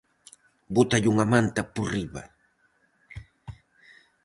Bótalle unha manta por riba.